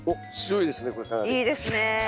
いいですねえ。